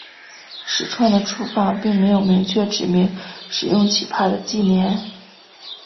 始创的处方并没有明确指明使用起泡的忌廉。